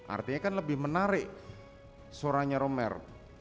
artinya kan lebih menarik suaranya romer